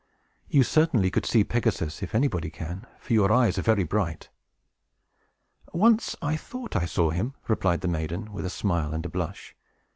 "You certainly could see Pegasus, if anybody can, for your eyes are very bright." "Once I thought I saw him," replied the maiden, with a smile and a blush.